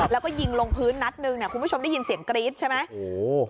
แล้วก็ยิงลงพื้นนัดหนึ่งเนี่ยคุณผู้ชมได้ยินเสียงกรี๊ดใช่ไหมโอ้โห